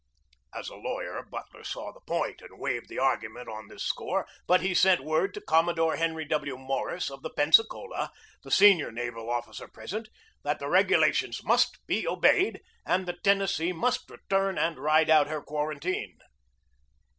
As a lawyer Butler saw the point and waived the argument on this score, but sent word to Com modore Henry W. Morris, of the Pensacola, the senior naval officer present, that the regulations must be obeyed and the Tennessee must return and ride out her quarantine.